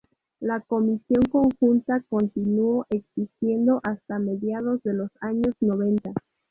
La Comisión Conjunta continuó existiendo hasta mediados de los años noventa.